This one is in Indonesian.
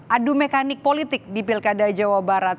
adu mekanik politik di pilkada jawa barat